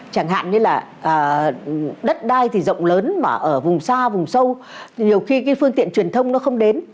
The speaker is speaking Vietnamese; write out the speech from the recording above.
chẳng hạn như là đất đai thì rộng lớn mà ở vùng xa vùng sâu nhiều khi cái phương tiện truyền thông nó không đến